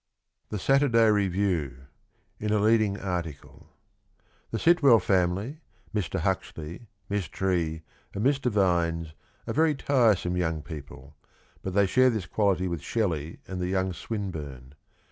THE SATURDAY REVIEW. (In a leading Article.) The Sitwell family, Mr. Huxley, Miss Tree and Mr. Vines are very tiresome young people, but they share this quality with Shelley and the young Swinburne.